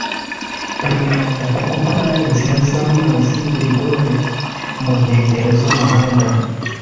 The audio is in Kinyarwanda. bibanda kugukora inzira z’amazi (rigoles) mu nkengero z’umuhanda